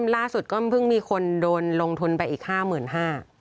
ล่าสุดก็เพิ่งมีคนโดนลงทุนไปอีก๕๕๐๐บาท